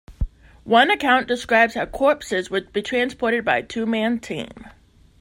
One account describes how corpses would be transported by a two-man team.